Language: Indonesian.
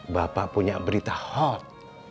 bapak punya berita hot